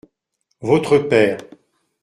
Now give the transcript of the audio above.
Votre père.